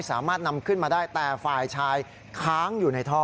สามารถนำขึ้นมาได้แต่ฝ่ายชายค้างอยู่ในท่อ